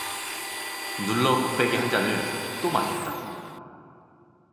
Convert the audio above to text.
눌러 곱빼기 한 잔을 또 마셨다.